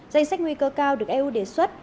danh sách nguy cơ cao được eu đề xuất